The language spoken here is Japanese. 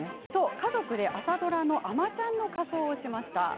家族で朝ドラの「あまちゃん」の仮装をしました。